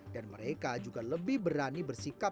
dan mereka juga lebih berani bersikap